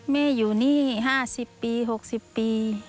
อยู่นี่๕๐ปี๖๐ปี